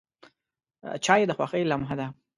چای د خوښۍ لمحه ده.